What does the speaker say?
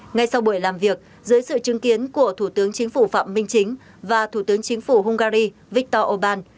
ngay sau buổi làm việc dưới sự chứng kiến của thủ tướng chính phủ phạm minh chính và thủ tướng chính phủ hungary viktor orbán